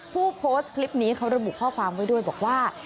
ผู้โพสต์คลิปนี้เขาระบุข้อความไว้ด้วยบอกว่า